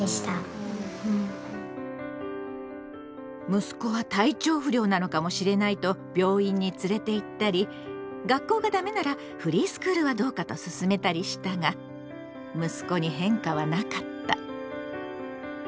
息子は体調不良なのかもしれないと病院に連れて行ったり学校がダメならフリースクールはどうかとすすめたりしたが息子に変化はなかった。